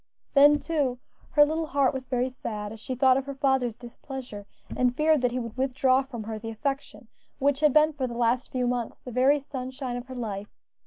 Then, too, her little heart was very sad as she thought of her father's displeasure, and feared that he would withdraw from her the affection which had been for the last few months the very sunshine of her life.